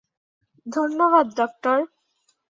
ধন্যবাদ, ডক্টর।